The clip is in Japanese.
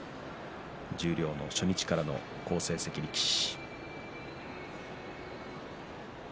十両の初日からの好成績力士。